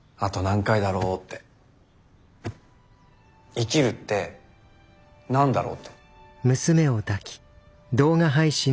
生きるって何だろう？って。